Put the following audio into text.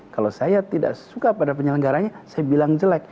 kalau saya tidak suka pada penyelenggaranya saya bilang jelek